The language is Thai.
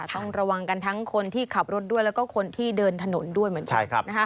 ต้องระวังกันทั้งคนที่ขับรถด้วยแล้วก็คนที่เดินถนนด้วยเหมือนกัน